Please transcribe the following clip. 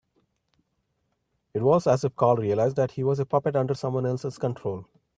It was as if Carl realised that he was a puppet under someone else's control.